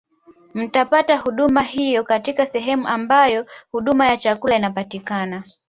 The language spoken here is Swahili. Mtapata huduma hiyo katika sehemu ambazo huduma ya chakula inapatikana